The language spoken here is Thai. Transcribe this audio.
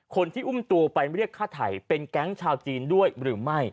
คนที่อุ้มตัวไปเรียกฆ่าไถ่เป็นแก๊งชาวจีนด้วยหรือไม่